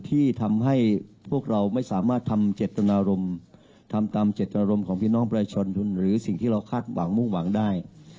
ที่ทำให้พวกเราไม่สามารถทำเจตนารมณ์ทำตามเจตนารมณ์ของพี่น้องประชาชนหรือสิ่งที่เราคาดหวังมุ่งหวังได้